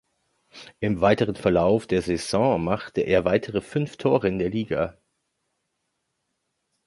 Im weiteren Verlauf der Saison machte er weitere fünf Tore in der Liga.